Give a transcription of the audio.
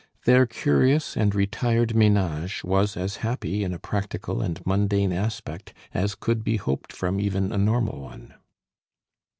Their curious and retired ménage was as happy in a practical and mundane aspect as could be hoped from even a normal one.